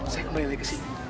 saya kembali lagi ke sini